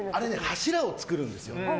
柱を作るんですよ。